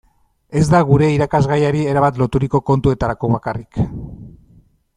Ez da gure irakasgaiari erabat loturiko kontuetarako bakarrik.